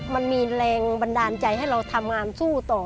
มันมีแรงบันดาลใจให้เราทำงานสู้ต่อ